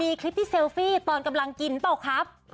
มีคลิปที่เซลฟี่ตอนกำลังกินเปล่าครับ